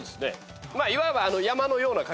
いわば。